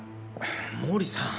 毛利さん。